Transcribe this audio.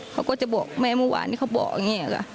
เขาก็จะบอกแม่เมื่อวานที่เขาบอกอย่างนี้ค่ะ